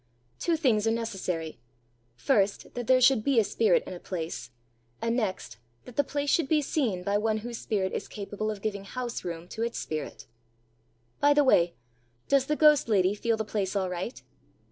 Two things are necessary first, that there should be a spirit in a place, and next that the place should be seen by one whose spirit is capable of giving house room to its spirit. By the way, does the ghost lady feel the place all right?"